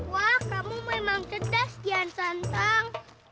wah kamu memang cerdas kian santan